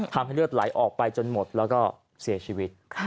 ทำให้เลือดไหลออกไปจนหมดแล้วก็เสียชีวิต